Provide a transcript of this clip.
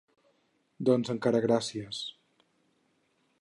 Doncs encara gràcies!